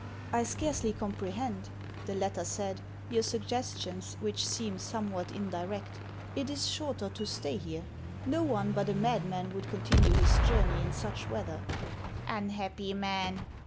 " I scarcely comprehend," the latter said, " your sugges tions, which seem somewhat indirect ; it is shorter to stay here. No one but a madman would continue his journey in such weather." " Unhappy man